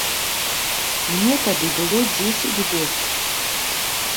Мне тады было дзесяць год.